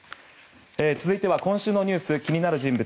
続いては今週のニュース気になる人物